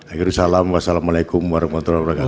akhirnya salam wassalamu alaikum warahmatullahi wabarakatuh